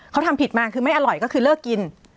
เขาทำผิดมาคือไม่อร่อยก็คือเลิกกิน